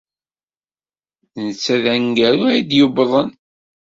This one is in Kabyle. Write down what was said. D netta ay d aneggaru ay d-yuwḍen.